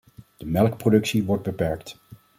De melkproductie wordt beperkt.